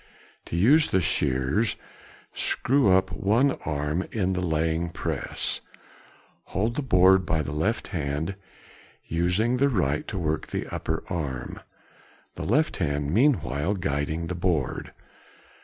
To use the shears, screw up one arm in the laying press, hold the board by the left hand, using the right to work the upper arm, the left hand meanwhile guiding the board.